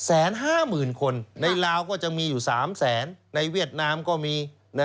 แสนห้าหมื่นคนในราวก็จะมีอยู่๓แสนในเวียดนามก็มี